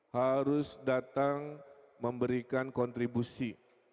harus datang memberikan kontribusi